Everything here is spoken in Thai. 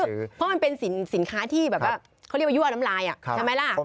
เพราะมันเป็นสินค้าที่เขาเรียกว่ายั่วน้ำลาย